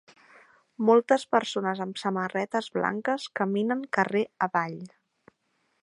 Moltes persones amb samarretes blanques caminen carrer avall